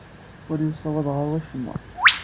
Ur yessawaḍ ɣer wacemma.